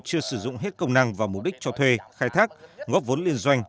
chưa sử dụng hết công năng và mục đích cho thuê khai thác góp vốn liên doanh